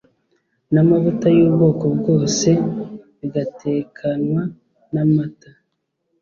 n’amavuta y’ubwoko bwose, bigatekanwa n’amata